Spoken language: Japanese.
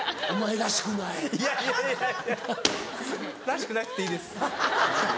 らしくなくていいです。